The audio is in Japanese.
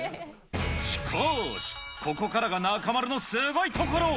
しかーし、ここからが中丸のすごいところ。